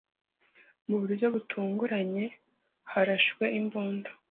Mu buryo butunguranye, harashwe imbunda.